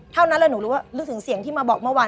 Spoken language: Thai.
เท่านั้นแหละหนูนึกถึงเสียงที่มาบอกเมื่อวาน